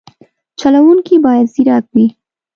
چلوونکی باید ځیرک وي.